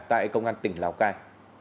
tại công an tỉnh lào cai